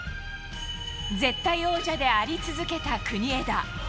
絶対王者であり続けた国枝。